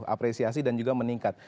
apresiasi dan juga meningkat